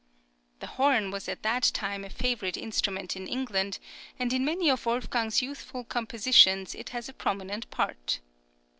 The horn was at that time a favourite instrument in England, and in many of Wolfgang's youthful compositions it has a prominent part.